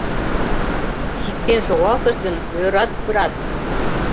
Чиктен шогалтышт гын, ӧрат, брат...